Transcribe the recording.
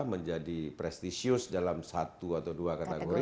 menjadi prestisius dalam satu atau dua kategori